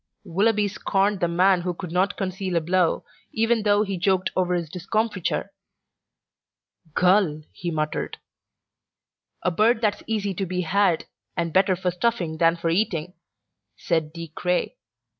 Willoughby scorned the man who could not conceal a blow, even though he joked over his discomfiture. "Gull!" he muttered. "A bird that's easy to be had, and better for stuffing than for eating," said De Craye.